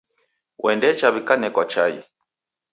Wendacha wikanekwa chai